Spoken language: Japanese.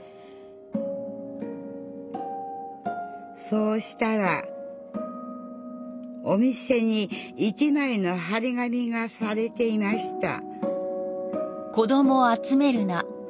そうしたらお店に一まいの貼り紙がされていました